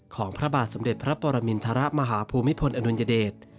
พระบาทสมเด็จพระปรมินทรมาฮภูมิพลอดุลยเดช